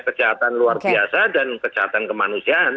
kejahatan luar biasa dan kejahatan kemanusiaan